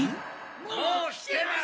・もう来てます！